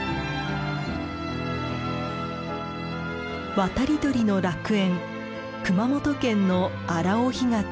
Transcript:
渡り鳥の楽園熊本県の荒尾干潟。